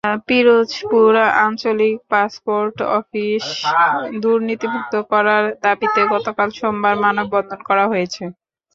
পিরোজপুর আঞ্চলিক passport office দুর্নীতিমুক্ত করার দাবিতে গতকাল সোমবার মানববন্ধন করা হয়েছে।